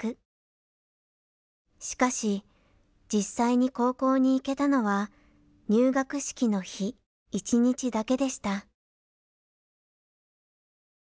しかし実際に高校に行けたのは入学式の日一日だけでした。